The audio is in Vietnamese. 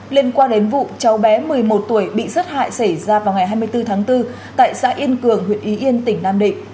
liên quan đến vụ cháu bé một mươi một tuổi bị giết hại xảy ra vào ngày hai mươi bốn tháng bốn tại xã yên cường huyện y yên tỉnh nam định